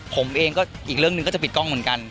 ผมเองก็อีกเรื่องหนึ่งก็จะปิดกล้องเหมือนกัน